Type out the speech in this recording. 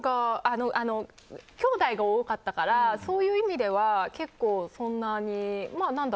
きょうだいが多かったからそういう意味ではそんなに。